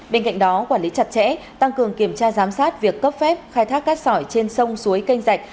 bên cạnh đó quản lý chặt chẽ tăng cường kiểm tra giám sát việc cấp phép khai thác cát sỏi trên sông suối canh rạch